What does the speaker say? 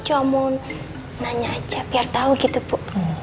cuma mau nanya aja biar tahu gitu bu